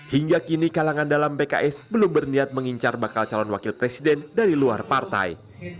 hingga kini kalangan dalam pks belum berniat mengincar bakal calon wakil presiden dari luar partai